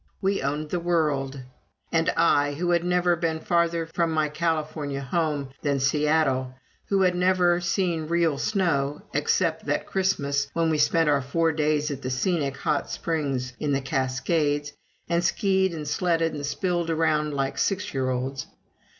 We owned the world. And I, who had never been farther from my California home town than Seattle, who never had seen real snow, except that Christmas when we spent four days at the Scenic Hot Springs in the Cascades, and skied and sledded and spilled around like six year olds!